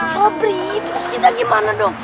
sobri terus kita gimana dong